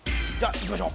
いきましょう。